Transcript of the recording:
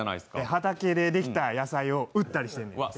畑でできた野菜を売ったりしてるんやて。